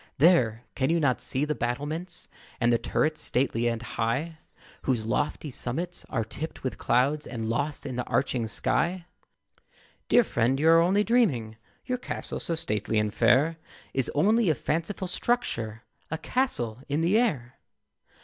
There! can you not see the battlements; And the turrets stately and high, Whose lofty summits are tipped with clouds, And lost in the arching sky? Dear friend, you are only dreaming, Your castle so stately and fair Is only a fanciful structure, A castle in the air.